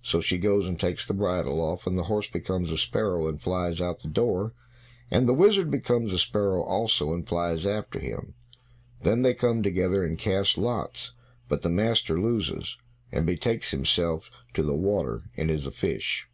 So she goes and takes the bridle off, and the horse becomes a sparrow, and flies out at the door, and the wizard becomes a sparrow also, and flies after him. Then they come together and cast lots, but the master loses, and betakes himself to the water and is a fish.